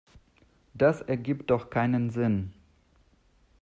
Das ergibt doch keinen Sinn.